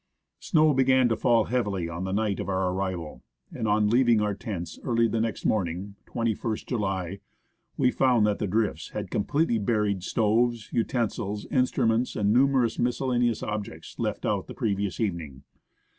Snow began to fall heavily on the night of our ar rival, and on leaving our tents early the next morning (21st July), we found that the drifts had completely buried stoves, utensils, instruments, and numerous miscellaneous objects, left out on the previous evening.